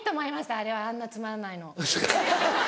あれあんなつまらないの。